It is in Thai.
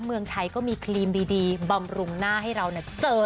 เมืองไทยก็มีครีมดีบำรุงหน้าให้เราเจอ